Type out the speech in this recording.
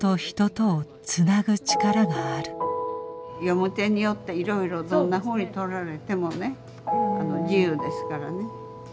読み手によっていろいろどんなふうにとられてもね自由ですからね。